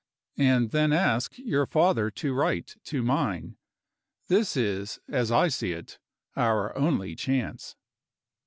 And then ask your father to write to mine. This is, as I see it, our only chance.